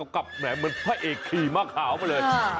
กลับแหม่งเมื่อพระเอกขี่ม้าขาวมาเลย